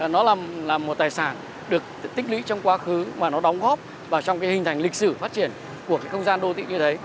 nó là một tài sản được tích lý trong quá khứ mà nó đóng góp vào trong hình thành lịch sử phát triển của không gian đô thị như thế